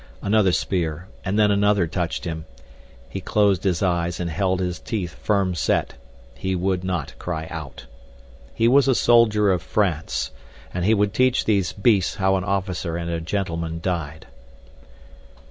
Another spear and then another touched him. He closed his eyes and held his teeth firm set—he would not cry out. He was a soldier of France, and he would teach these beasts how an officer and a gentleman died.